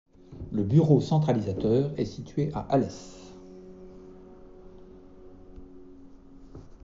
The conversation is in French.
Le bureau centralisateur est situé à Alès.